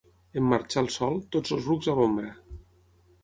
En marxar el sol, tots els rucs a l'ombra.